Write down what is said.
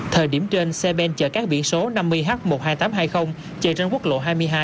thời điểm trên xe ben chở các biển số năm mươi h một mươi hai nghìn tám trăm hai mươi chạy trên quốc lộ hai mươi hai